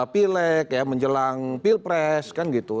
pilek ya menjelang pilpres kan gitu